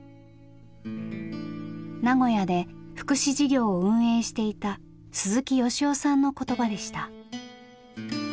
名古屋で福祉事業を運営していた鈴木由夫さんの言葉でした。